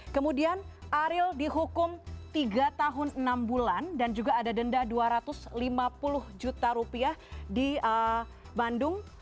kemudian ariel dihukum tiga tahun enam bulan dan juga ada denda dua ratus lima puluh juta rupiah di bandung